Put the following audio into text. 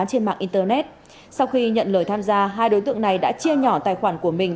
trên mạng internet sau khi nhận lời tham gia hai đối tượng này đã chia nhỏ tài khoản của mình